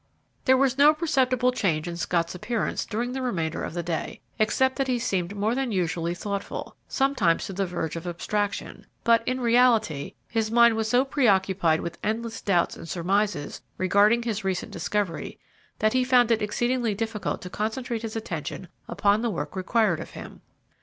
There was no perceptible change in Scott's appearance during the remainder of the day, except that he seemed more than usually thoughtful, sometimes to the verge of abstraction, but, in reality, his mind was so preoccupied with endless doubts and surmises regarding his recent discovery that he found it exceedingly difficult to concentrate his attention upon the work required of him.